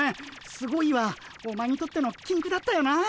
「すごい」はお前にとってのきんくだったよな。